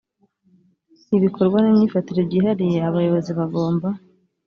ibikorwa n imyifatire byihariye abayobozi bagomba